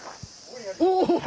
お！